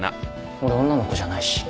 俺女の子じゃないし」